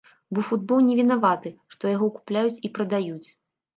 Бо футбол не вінаваты, што яго купляюць і прадаюць.